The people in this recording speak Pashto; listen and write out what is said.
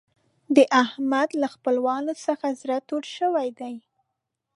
د احمد له خپلوانو څخه زړه تور شوی دی.